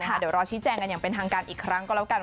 เดี๋ยวรอชี้แจงกันอย่างเป็นทางการอีกครั้งก็แล้วกัน